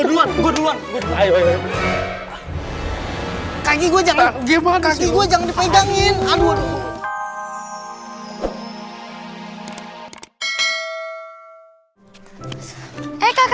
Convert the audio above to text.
tunggu dulu kak